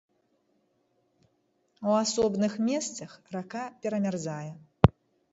У асобных месцах рака перамярзае.